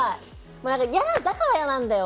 もうなんかだから嫌なんだよ。